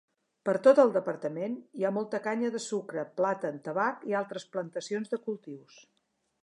Per tot el departament hi ha molta canya de sucre, plàtan, tabac i altres plantacions de cultius.